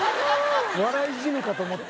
笑い死ぬかと思った。